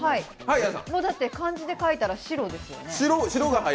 漢字で書いたら白ですよね。